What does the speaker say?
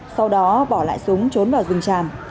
sau đó bỏ lại súng trốn vào rừng tràm